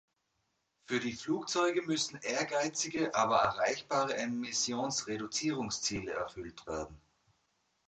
Für die Flugzeuge müssen ehrgeizige, aber erreichbare Emissionsreduzierungsziele erfüllt werden .